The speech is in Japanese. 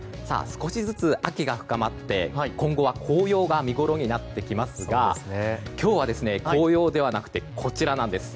少しずつ秋が深まって今後紅葉が見ごろになってきますが今日は紅葉ではなくてこちらなんです。